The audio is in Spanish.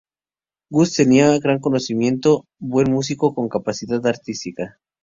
Woods tenía gran conocimiento, buen músico, con capacidad artística.